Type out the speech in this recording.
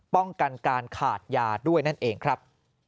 ป้องกันการขาดยาด้วยนั่นเองครับ